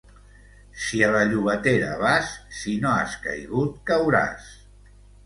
Si a la Llobatera vas, si no has caigut cauràs.